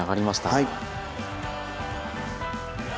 はい。